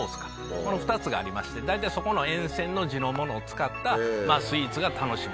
この２つがありまして大体そこの沿線の地のものを使ったスイーツが楽しめる。